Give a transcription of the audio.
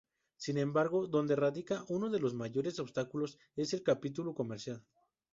Sin embargo, donde radica uno de los mayores obstáculos es en el capítulo comercial.